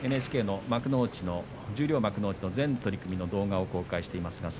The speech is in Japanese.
ＮＨＫの幕内の十両幕内の全取組の動画を公開しています。